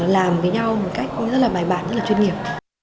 làm với nhau một cách rất là bài bản rất là chuyên nghiệp